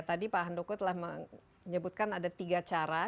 tadi pak handoko telah menyebutkan ada tiga cara